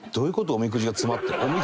おみくじが詰まってる。